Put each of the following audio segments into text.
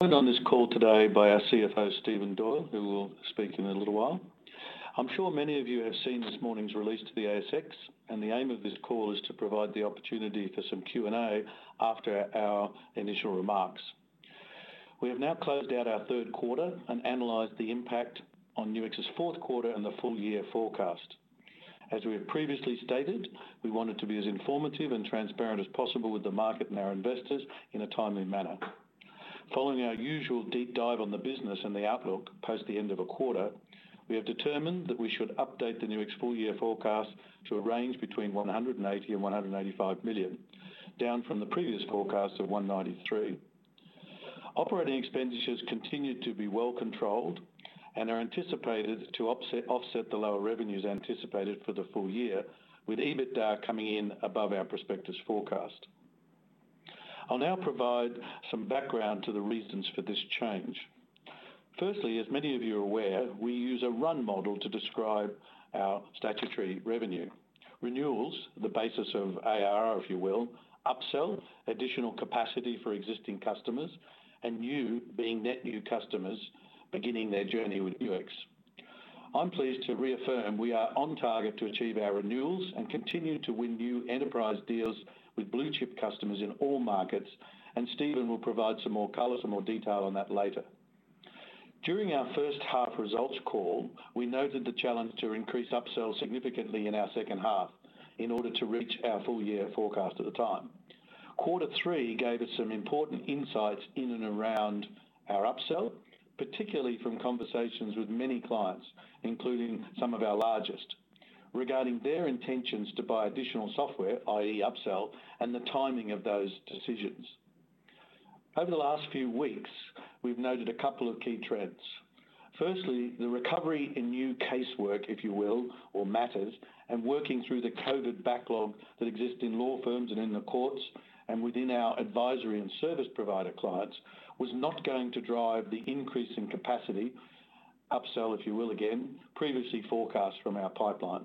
On this call today by our CFO, Stephen Doyle, who will speak in a little while. I'm sure many of you have seen this morning's release to the ASX. The aim of this call is to provide the opportunity for some Q&A after our initial remarks. We have now closed out our Q3 and analyzed the impact on Nuix's Q4 and the full year forecast. As we have previously stated, we wanted to be as informative and transparent as possible with the market and our investors in a timely manner. Following our usual deep dive on the business and the outlook post the end of a quarter, we have determined that we should update the Nuix full year forecast to a range between 180 million and 185 million, down from the previous forecast of 193 million. Operating expenditures continued to be well controlled and are anticipated to offset the lower revenues anticipated for the full year, with EBITDA coming in above our prospectus forecast. I'll now provide some background to the reasons for this change. Firstly, as many of you are aware, we use a run model to describe our statutory revenue. Renewals, the basis of ARR, if you will, upsell additional capacity for existing customers and new being net new customers beginning their journey with Nuix. I'm pleased to reaffirm we are on target to achieve our renewals and continue to win new enterprise deals with blue-chip customers in all markets, and Stephen will provide some more color, some more detail on that later. During our first half results call, we noted the challenge to increase upsells significantly in our second half in order to reach our full year forecast at the time. Quarter three gave us some important insights in and around our upsell, particularly from conversations with many clients, including some of our largest, regarding their intentions to buy additional software, i.e. upsell, and the timing of those decisions. Over the last few weeks, we've noted a couple of key trends. Firstly, the recovery in new casework, if you will, or matters, and working through the COVID backlog that exists in law firms and in the courts and within our advisory and service provider clients, was not going to drive the increase in capacity, upsell, if you will, again, previously forecast from our pipeline.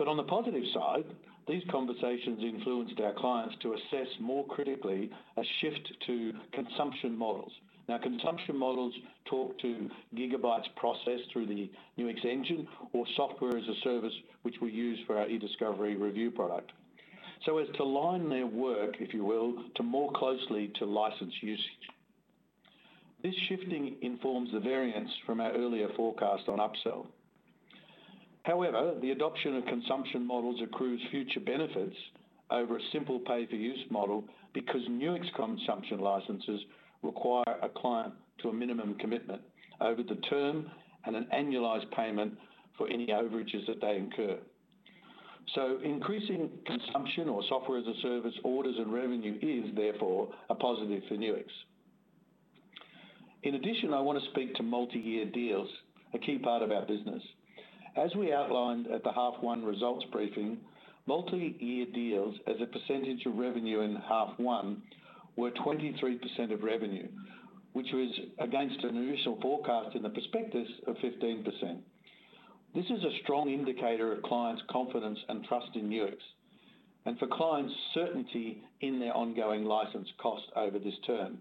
On the positive side, these conversations influenced our clients to assess more critically a shift to consumption models. Now, consumption models talk to gigabytes processed through the Nuix Engine or Software-as-a-Service, which we use for our eDiscovery review product. As to line their work, if you will, to more closely to license usage. This shifting informs the variance from our earlier forecast on upsell. However, the adoption of consumption models accrues future benefits over a simple pay-per-use model because Nuix consumption licenses require a client to a minimum commitment over the term and an annualized payment for any overages that they incur. Increasing consumption or Software-as-a-Service orders and revenue is, therefore, a positive for Nuix. In addition, I want to speak to multi-year deals, a key part of our business. As we outlined at the half one results briefing, multi-year deals as a percentage of revenue in half one were 23% of revenue, which was against an initial forecast in the prospectus of 15%. This is a strong indicator of clients' confidence and trust in Nuix and for clients' certainty in their ongoing license cost over this term.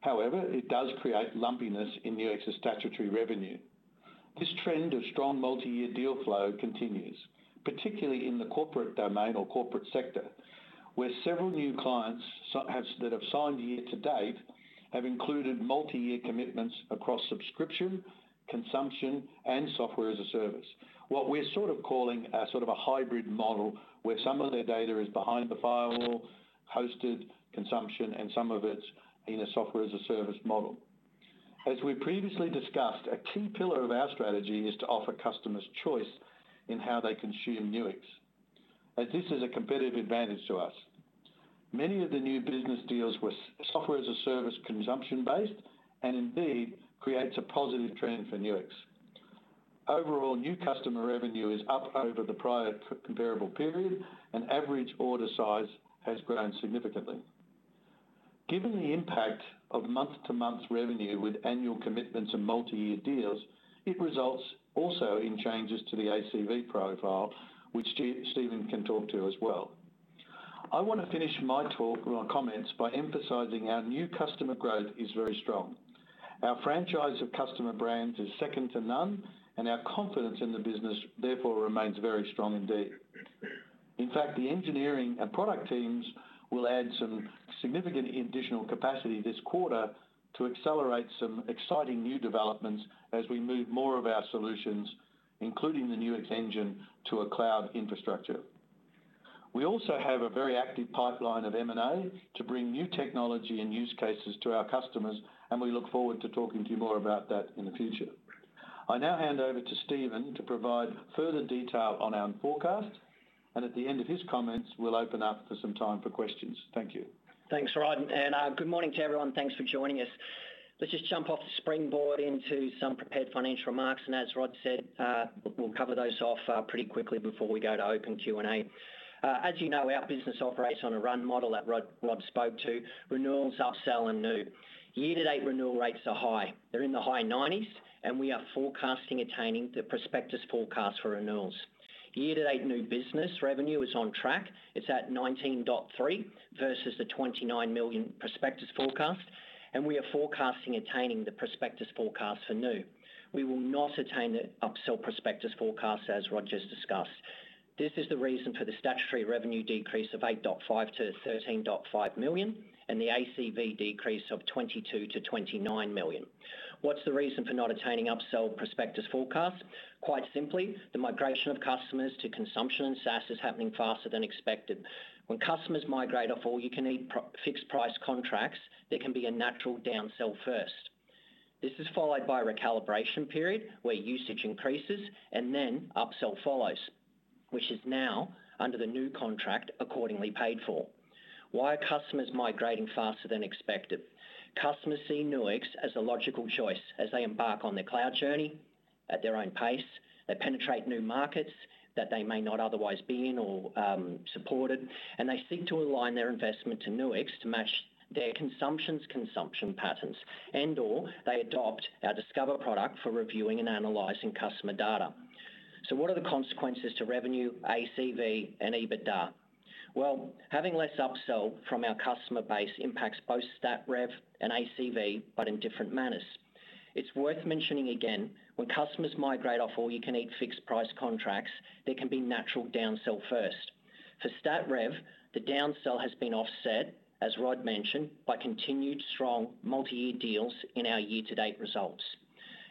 However, it does create lumpiness in Nuix's statutory revenue. This trend of strong multi-year deal flow continues, particularly in the corporate domain or corporate sector, where several new clients that have signed year to date have included multi-year commitments across subscription, consumption, and Software-as-a-Service. What we're calling a hybrid model where some of their data is behind the firewall, hosted consumption, and some of it's in a Software-as-a-Service model. As we previously discussed, a key pillar of our strategy is to offer customers choice in how they consume Nuix. This is a competitive advantage to us. Many of the new business deals were Software-as-a-Service consumption-based and indeed creates a positive trend for Nuix. Overall, new customer revenue is up over the prior comparable period, and average order size has grown significantly. Given the impact of month-to-month revenue with annual commitments and multi-year deals, it results also in changes to the ACV profile, which Stephen can talk to as well. I want to finish my talk or comments by emphasizing our new customer growth is very strong. Our franchise of customer brands is second to none, and our confidence in the business therefore remains very strong indeed. In fact, the engineering and product teams will add some significant additional capacity this quarter to accelerate some exciting new developments as we move more of our solutions, including the Nuix Engine, to a cloud infrastructure. We also have a very active pipeline of M&A to bring new technology and use cases to our customers, and we look forward to talking to you more about that in the future. I now hand over to Stephen to provide further detail on our forecast, and at the end of his comments, we'll open up for some time for questions. Thank you. Thanks, Rod. Good morning to everyone. Thanks for joining us. Let's just jump off the springboard into some prepared financial remarks. As Rod said, we'll cover those off pretty quickly before we go to open Q&A. As you know, our business operates on a run model that Rod spoke to, renewals, upsell, and new. Year-to-date renewal rates are high. They're in the high 90s. We are forecasting attaining the prospectus forecast for renewals. Year-to-date new business revenue is on track. It's at 19.3 million versus the 29 million prospectus forecast. We are forecasting attaining the prospectus forecast for new. We will not attain the upsell prospectus forecast as Rod just discussed. This is the reason for the statutory revenue decrease of 8.5 million-13.5 million and the ACV decrease of 22 million-29 million. What's the reason for not attaining upsell prospectus forecast? Quite simply, the migration of customers to consumption and SaaS is happening faster than expected. When customers migrate off all-you-can-eat fixed price contracts, there can be a natural downsell first. This is followed by a recalibration period where usage increases and then upsell follows, which is now under the new contract accordingly paid for. Why are customers migrating faster than expected? Customers see Nuix as a logical choice as they embark on their cloud journey at their own pace. They penetrate new markets that they may not otherwise be in or supported, and they seek to align their investment to Nuix to match their consumption's consumption patterns and/or they adopt our Discover product for reviewing and analyzing customer data. What are the consequences to revenue, ACV and EBITDA? Well, having less upsell from our customer base impacts both stat rev and ACV, but in different manners. It's worth mentioning again, when customers migrate off all-you-can-eat fixed price contracts, there can be natural downsell first. For stat rev, the downsell has been offset, as Rod mentioned, by continued strong multi-year deals in our year-to-date results.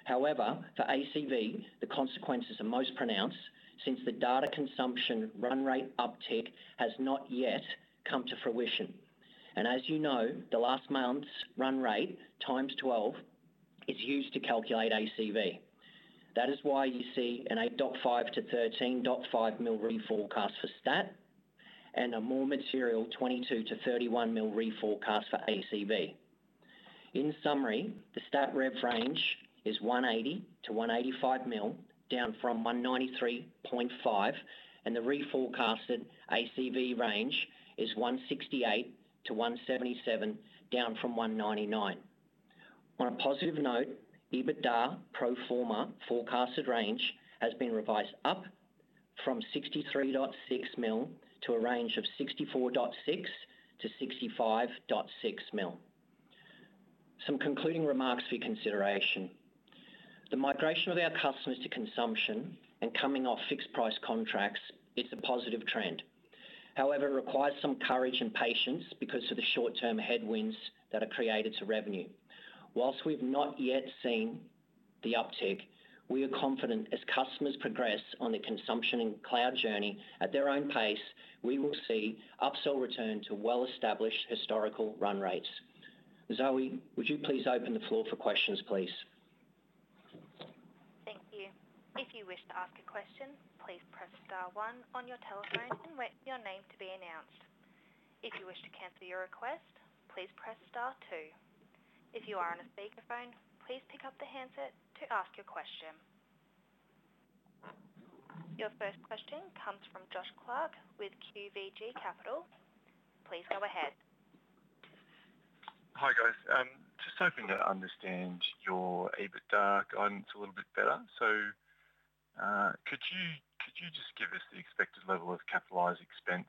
However, for ACV, the consequences are most pronounced since the data consumption run rate uptick has not yet come to fruition. As you know, the last month's run rate x12 is used to calculate ACV. That is why you see an 8.5 million-13.5 million reforecast for stat and a more material 22 million-31 million reforecast for ACV. In summary, the stat rev range is 180 million-185 million, down from 193.5 million, and the reforecasted ACV range is 168 million-177 million, down from 199 million. On a positive note, EBITDA pro forma forecasted range has been revised up from 63.6 million to a range of 64.6 million-65.6 million. Some concluding remarks for consideration. The migration of our customers to consumption and coming off fixed price contracts is a positive trend. However, it requires some courage and patience because of the short-term headwinds that are created to revenue. Whilst we've not yet seen the uptick, we are confident as customers progress on their consumption and cloud journey at their own pace, we will see upsell return to well-established historical run rates. Zoe, would you please open the floor for questions, please? Thank you. If you wish to ask a question, please press star one on your telephone and wait for your name to be announced. If you wish to cancel your request, please press star two. If you are on a speakerphone, please pick up the handset to ask your question. Your first question comes from Josh Clark with QVG Capital. Please go ahead. Hi, guys. Just hoping to understand your EBITDA guidance a little bit better. Could you just give us the expected level of capitalized expense?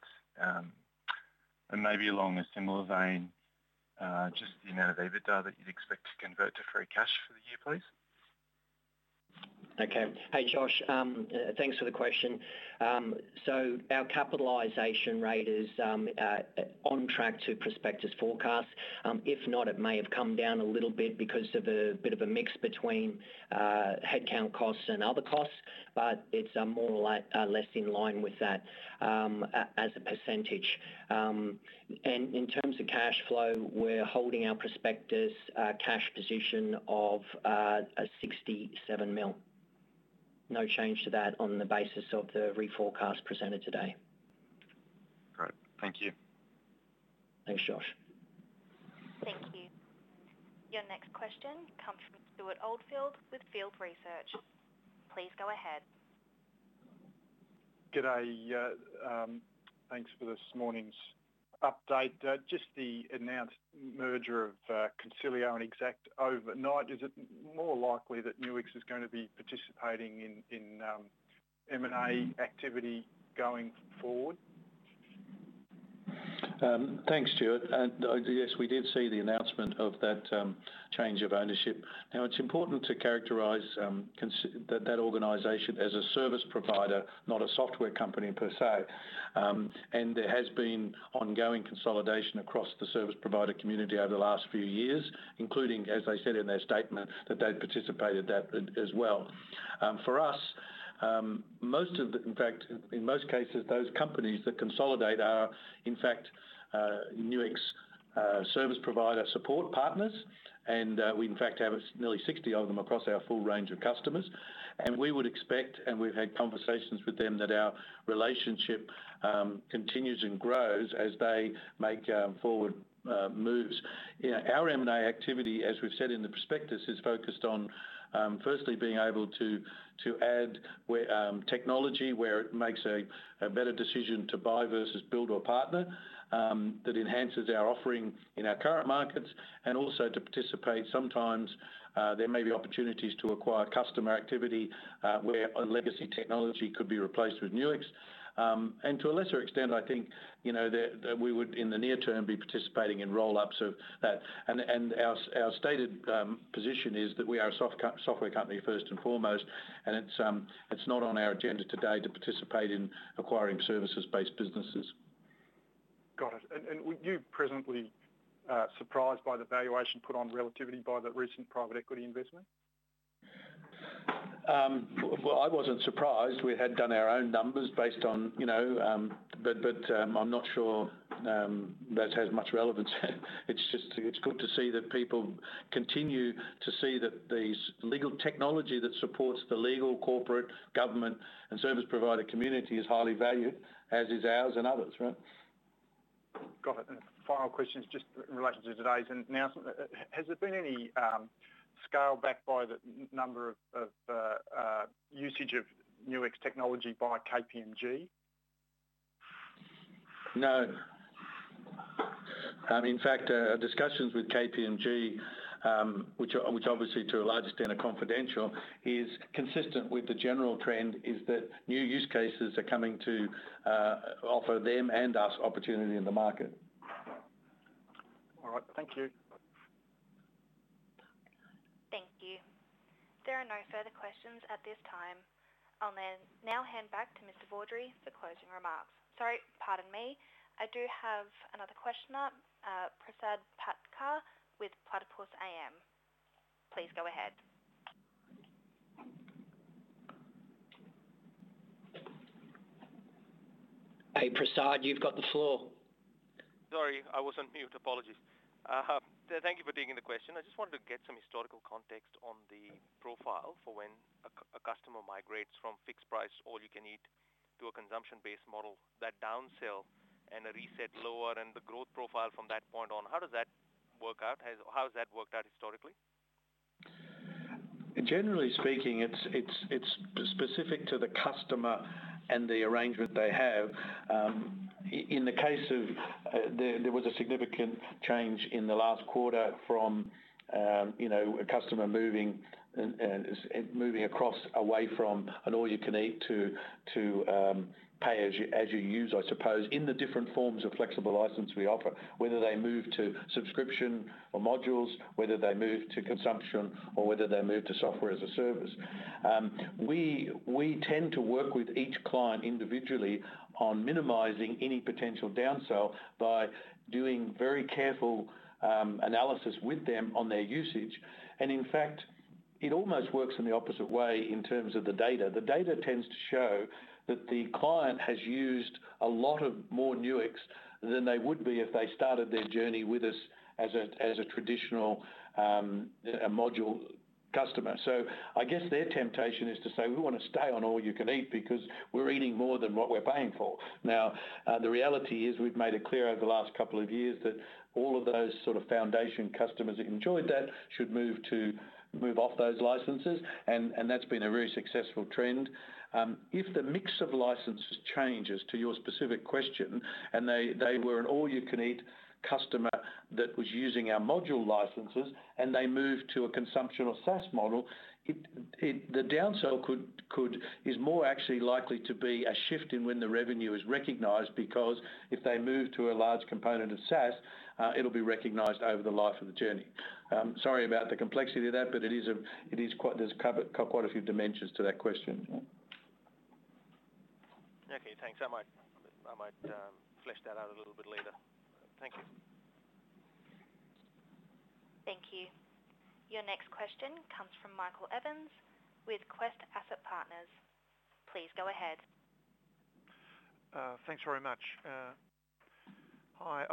Maybe along a similar vein, just the amount of EBITDA that you'd expect to convert to free cash for the year, please. Okay. Hey, Josh. Thanks for the question. Our capitalization rate is on track to prospectus forecast. If not, it may have come down a little bit because of a bit of a mix between headcount costs and other costs, but it's more or less in line with that as a percentage. In terms of cash flow, we're holding our prospectus cash position of 67 million. No change to that on the basis of the reforecast presented today. Great. Thank you. Thanks, Josh. Thank you. Your next question comes from Stewart Oldfield with Field Research. Please go ahead. G'day. Thanks for this morning's update. Just the announced merger of Consilio and Xact Data Discovery overnight. Is it more likely that Nuix is going to be participating in M&A activity going forward? Thanks, Stewart. Yes, we did see the announcement of that change of ownership. Now it's important to characterize that organization as a service provider, not a software company per se. There has been ongoing consolidation across the service provider community over the last few years, including, as they said in their statement, that they'd participated that as well. For us, in most cases, those companies that consolidate are in fact Nuix service provider support partners, and we in fact have nearly 60 of them across our full range of customers. We would expect, and we've had conversations with them that our relationship continues and grows as they make forward moves. Our M&A activity, as we've said in the prospectus, is focused on firstly being able to add technology where it makes a better decision to buy versus build or partner, that enhances our offering in our current markets, and also to participate. Sometimes there may be opportunities to acquire customer activity where a legacy technology could be replaced with Nuix. To a lesser extent, I think that we would, in the near term, be participating in roll-ups of that. Our stated position is that we are a software company first and foremost, and it's not on our agenda today to participate in acquiring services-based businesses. Got it. Were you pleasantly surprised by the valuation put on Relativity by the recent private equity investment? Well, I wasn't surprised we had done our own numbers based, I'm not sure that has much relevance. It's good to see that people continue to see that these legal technology that supports the legal, corporate, government, and service provider community is highly valued, as is ours and others. Got it. The final question is just in relation to today's announcement. Has there been any scale back by the number of usage of Nuix technology by KPMG? No. In fact, our discussions with KPMG, which obviously to a large extent are confidential, is consistent with the general trend, is that new use cases are coming to offer them and us opportunity in the market. All right. Thank you. Thank you. There are no further questions at this time. I'll then now hand back to Mr. Vawdrey for closing remarks. Sorry, pardon me. I do have another questioner, Prasad Patkar with Platypus AM. Please go ahead. Hey, Prasad, you've got the floor. Sorry, I was on mute. Apologies. Thank you for taking the question. I just wanted to get some historical context on the profile for when a customer migrates from fixed price all you can eat to a consumption-based model, that downsell and a reset lower and the growth profile from that point on. How does that work out? How has that worked out historically? Generally speaking, it's specific to the customer and the arrangement they have. In the case of, there was a significant change in the last quarter from a customer moving across away from an all you can eat to pay as you use, I suppose, in the different forms of flexible license we offer, whether they move to subscription or modules, whether they move to consumption or whether they move to Software-as-a-Service. We tend to work with each client individually on minimizing any potential downsell by doing very careful analysis with them on their usage. In fact, it almost works in the opposite way in terms of the data. The data tends to show that the client has used a lot of more Nuix than they would be if they started their journey with us as a traditional module customer. I guess their temptation is to say, "We want to stay on all you can eat because we're eating more than what we're paying for." The reality is we've made it clear over the last couple of years that all of those foundation customers who enjoyed that should move off those licenses, and that's been a very successful trend. If the mix of licenses changes to your specific question, and they were an all you can eat customer that was using our module licenses, and they moved to a consumption or SaaS model, the downsell is more actually likely to be a shift in when the revenue is recognized, because if they move to a large component of SaaS, it'll be recognized over the life of the journey. Sorry about the complexity of that, but there's quite a few dimensions to that question. Okay, thanks. I might flesh that out a little bit later. Thank you. Thank you. Your next question comes from Michael Evans with Quest Asset Partners. Please go ahead. Thanks very much. Hi,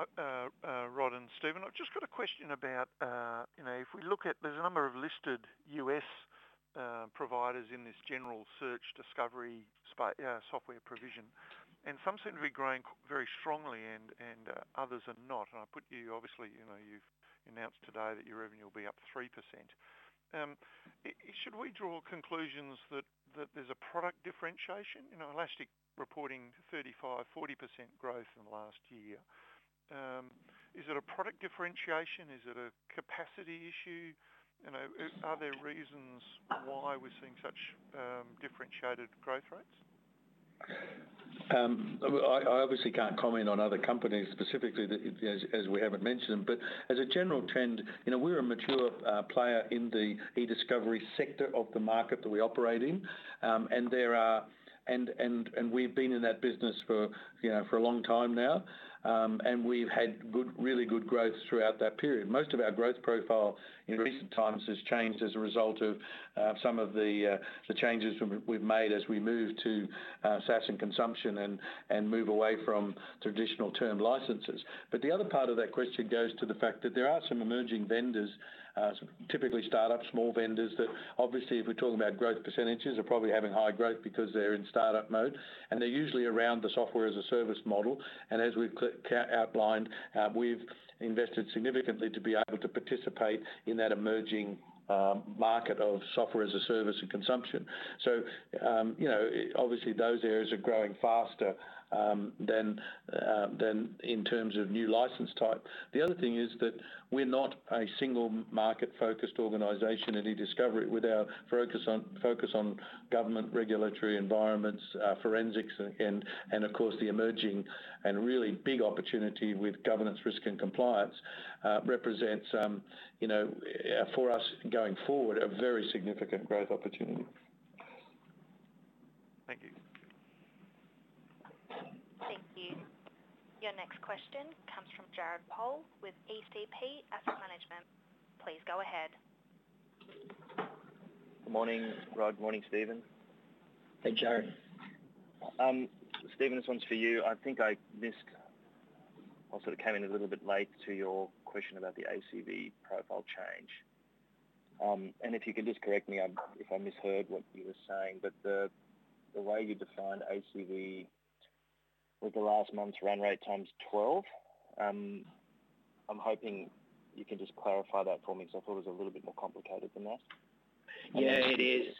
Rod and Stephen. I've just got a question about, if we look at, there's a number of listed U.S. providers in this general eDiscovery software provision, and some seem to be growing very strongly and others are not. I put you, obviously, you've announced today that your revenue will be up 3%. Should we draw conclusions that there's a product differentiation? Elastic reporting 35%-40% growth in the last year. Is it a product differentiation? Is it a capacity issue? Are there reasons why we're seeing such differentiated growth rates? I obviously can't comment on other companies specifically, as we haven't mentioned them. As a general trend, we're a mature player in the eDiscovery sector of the market that we operate in. We've been in that business for a long time now. We've had really good growth throughout that period. Most of our growth profile in recent times has changed as a result of some of the changes we've made as we move to SaaS and consumption, and move away from traditional term licenses. The other part of that question goes to the fact that there are some emerging vendors, typically startup small vendors, that obviously if we're talking about growth percentages, are probably having high growth because they're in startup mode, and they're usually around the Software-as-a-Service model. As we've outlined, we've invested significantly to be able to participate in that emerging market of Software-as-a-Service and consumption. Obviously, those areas are growing faster than in terms of new license type. The other thing is that we're not a single market-focused organization at eDiscovery. With our focus on government regulatory environments, forensics, and of course, the emerging and really big opportunity with Governance, Risk, and Compliance, represents for us going forward, a very significant growth opportunity. Thank you. Thank you. Your next question comes from Jared Pohl with ECP Asset Management. Please go ahead. Good morning, Rod. Good morning, Stephen. Hey, Jared. Stephen, this one's for you. I think I missed, or sort of came in a little bit late to your question about the ACV profile change. If you could just correct me if I misheard what you were saying, but the way you defined ACV was the last month's run rate x12. I'm hoping you can just clarify that for me, because I thought it was a little bit more complicated than that. Yeah, it is.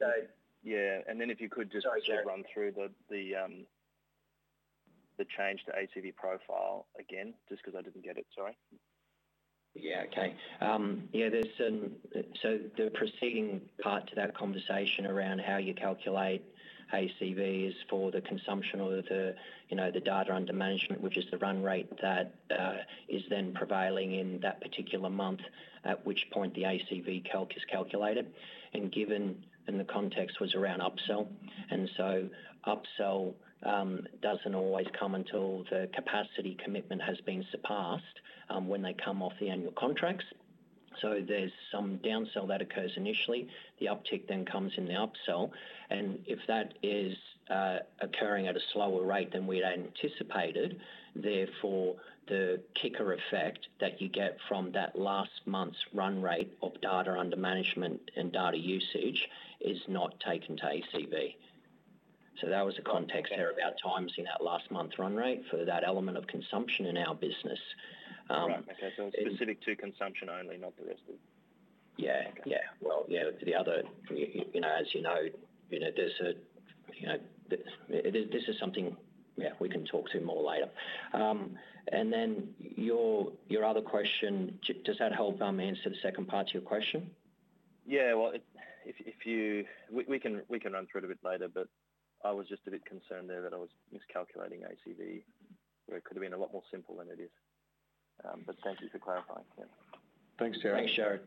Yeah. If you could just sort of run through the change to ACV profile again, just because I didn't get it. Sorry. Yeah, okay. The preceding part to that conversation around how you calculate ACV is for the consumption or the data under management, which is the run rate that is then prevailing in that particular month, at which point the ACV calc is calculated. Given, and the context was around upsell. Upsell doesn't always come until the capacity commitment has been surpassed, when they come off the annual contracts. There's some downsell that occurs initially. The uptick then comes in the upsell. If that is occurring at a slower rate than we'd anticipated, therefore the kicker effect that you get from that last month's run rate of data under management and data usage is not taken to ACV. That was the context there about timesing that last month run rate for that element of consumption in our business. Right, okay. It's specific to consumption only, not the rest of. Yeah. Well, yeah. As you know, this is something we can talk to more later. Your other question, does that help answer the second part to your question? Yeah. We can run through it a bit later, but I was just a bit concerned there that I was miscalculating ACV, where it could've been a lot more simple than it is. Thank you for clarifying. Yeah. Thanks, Jared. Thanks, Jared.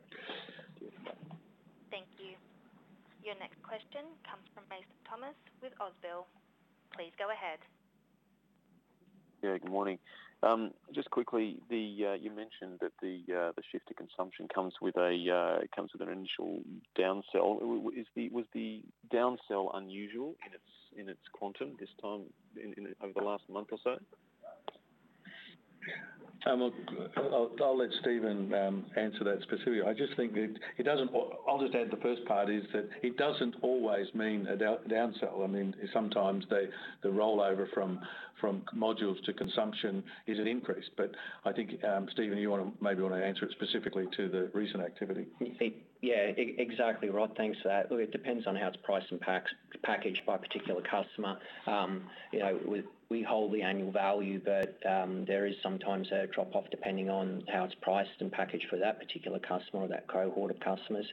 Thank you. Your next question comes from Mason Thomas with Ausbil. Please go ahead. Yeah, good morning. Just quickly, you mentioned that the shift to consumption comes with an initial downsell. Was the downsell unusual in its quantum this time over the last month or so? I'll let Stephen answer that specifically. I'll just add the first part is that it doesn't always mean a downsell. Sometimes the rollover from modules to consumption is an increase. I think, Stephen, you maybe want to answer it specifically to the recent activity. Yeah, exactly Rod. Thanks for that. Look, it depends on how it's priced and packaged by a particular customer. We hold the annual value. There is sometimes a drop-off depending on how it's priced and packaged for that particular customer or that cohort of customers.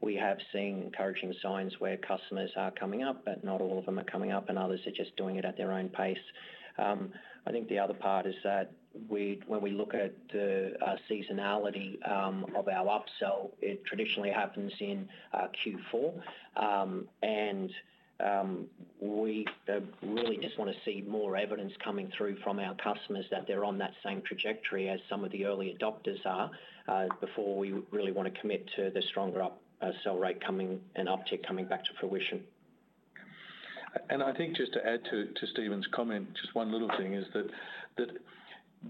We have seen encouraging signs where customers are coming up. Not all of them are coming up. Others are just doing it at their own pace. I think the other part is that when we look at the seasonality of our upsell, it traditionally happens in Q4. We really just want to see more evidence coming through from our customers that they're on that same trajectory as some of the early adopters are, before we really want to commit to the stronger upsell rate coming and uptick coming back to fruition. I think just to add to Stephen's comment, just one little thing is that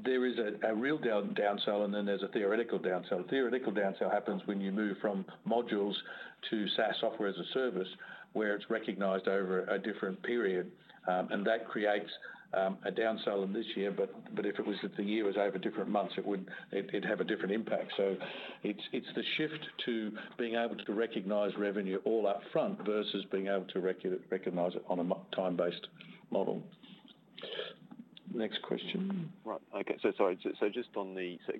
there is a real downsell and then there's a theoretical downsell. A theoretical downsell happens when you move from modules to SaaS, Software-as-a-Service, where it's recognized over a different period. That creates a downsell in this year, but if the year was over different months, it'd have a different impact. It's the shift to being able to recognize revenue all upfront versus being able to recognize it on a time-based model. Next question. Right. Okay. sorry.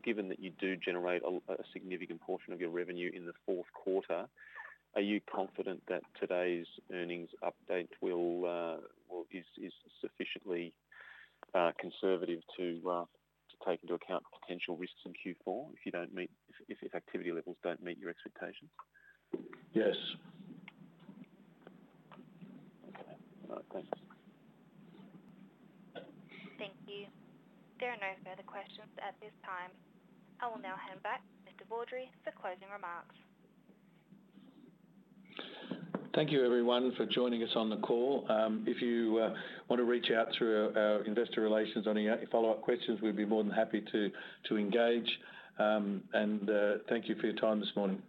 Given that you do generate a significant portion of your revenue in the Q4, are you confident that today's earnings update is sufficiently conservative to take into account potential risks in Q4 if activity levels don't meet your expectations? Yes. Okay. All right, thanks. Thank you. There are no further questions at this time. I will now hand back to Mr. Vawdrey for closing remarks. Thank you everyone for joining us on the call. If you want to reach out through our investor relations on any follow-up questions, we'd be more than happy to engage. Thank you for your time this morning.